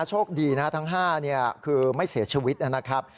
โชคดีนะทั้ง๕คือไม่เสียชีวิตนะครับ